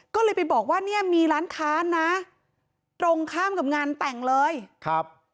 ก็เลยไปบอกว่าเนี่ยมีร้านค้านะตรงข้ามกับงานแต่งเลยครับ